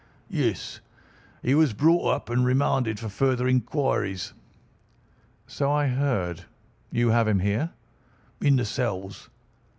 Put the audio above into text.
"Yes. He was brought up and remanded for further inquiries." "So I heard. You have him here?" "In the cells."